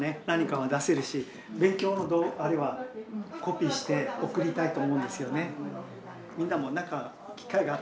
何かは出せるし勉強のあれはコピーして送りたいと思うんですよね。